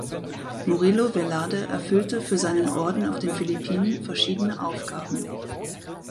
Murillo Velarde erfüllte für seinen Orden auf den Philippinen verschiedene Aufgaben.